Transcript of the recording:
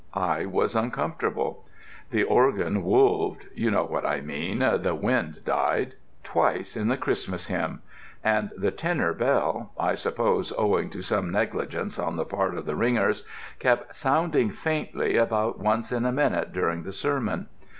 I was uncomfortable. The organ wolved you know what I mean: the wind died twice in the Christmas Hymn, and the tenor bell, I suppose owing to some negligence on the part of the ringers, kept sounding faintly about once in a minute during the sermon.